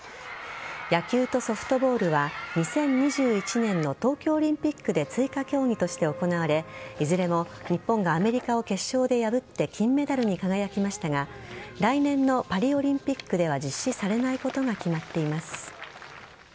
野球とソフトボールは２０２１年の東京オリンピックで追加競技として行われいずれも日本がアメリカを決勝で破って金メダルに輝きましたが来年のパリオリンピックでは実施されないことが決まっています。